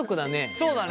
そうだね。